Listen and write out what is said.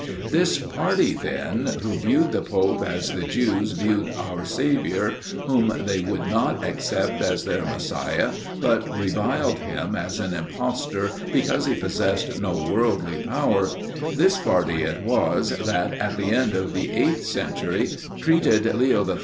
This party then, who viewed the pope as the Jews viewed our Saviour, whom they would not accept as their Messias, but reviled him as an impostor because he possessed no worldly power; this party it was that, at the end of the 8th century, treated Leo III.